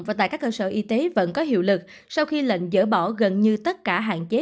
và tại các cơ sở y tế vẫn có hiệu lực sau khi lệnh dỡ bỏ gần như tất cả hạn chế